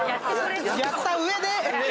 やった上で。